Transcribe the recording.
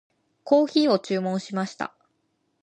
コーヒーを注文しました。